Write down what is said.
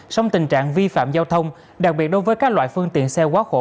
sông tình trạng vi phạm giao thông đặc biệt đối với các loại phương tiện xe quá khổ